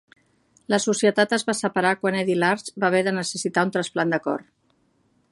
La societat es va separar quan Eddie Large va haver de necessitar un trasplant de cor.